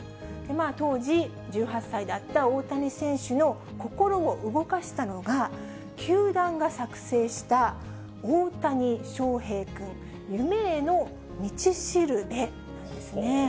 当時、１８歳だった大谷選手の心を動かしたのが、球団が作成した大谷翔平君夢への道しるべ、なんですね。